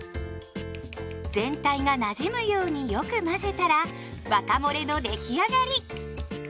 全体がなじむようによく混ぜたらワカモレの出来上がり。